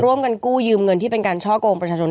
ร่วมกันกู้ยืมเงินที่เป็นการช่อกงประชาชน